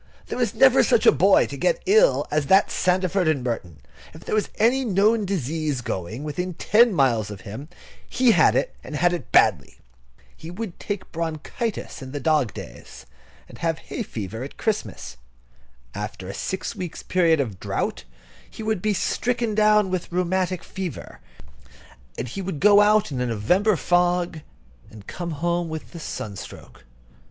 There never was such a boy to get ill as that Sandford and Merton. If there was any known disease going within ten miles of him, he had it, and had it badly. He would take bronchitis in the dog days, and have hay fever at Christmas. After a six weeks' period of drought, he would be stricken down with rheumatic fever; and he would go out in a November fog and come home with a sunstroke.